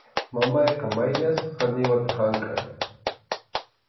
Mamayqa mayllasqa qañiwata hamkʼan.